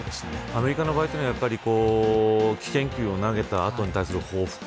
アメリカの場合は危険球を投げたことに対する報復